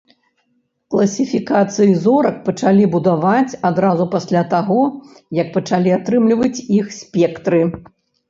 Класіфікацыі зорак пачалі будаваць адразу пасля таго, як пачалі атрымліваць іх спектры.